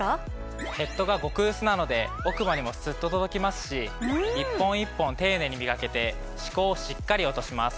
ヘッドが極薄なので奥歯にもスッと届きますし１本１本丁寧にみがけて歯垢をしっかり落とします。